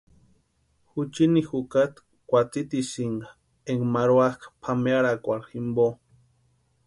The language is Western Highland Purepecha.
Juchini jukasti kwatsitisïnka énka marhuakʼa pʼamearhakwa jimpo.